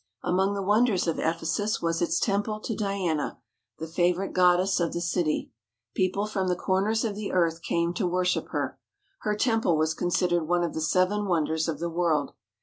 Among the wonders of Ephesus was its temple to Diana, the favourite goddess of the city. People from the cor ners of the earth came to worship her. Her temple was considered one of the seven wonders of the world.